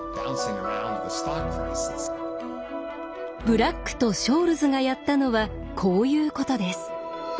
ブラックとショールズがやったのはこういうことです。